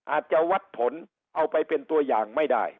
อาจจะวัดผลเอาไปเป็นตัวอย่างไม่ได้